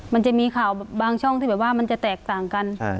มันจะมีข่าวบางช่องที่แบบว่ามันจะแตกต่างกัน